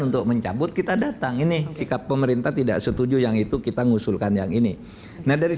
untuk melihat karena disusul isi politik ini